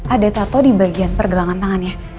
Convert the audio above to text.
ada tato di bagian pergelangan tangannya